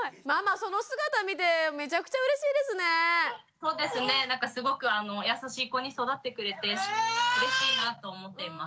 そうですねなんかすごく優しい子に育ってくれてうれしいなと思っています。